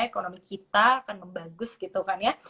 ekonomi kita akan membagus gitu kan ya